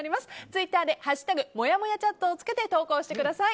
ツイッターで「＃もやもやチャット」を付けて投稿してください。